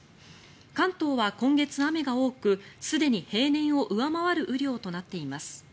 関東は今月雨が多くすでに平年を上回る雨量となっています。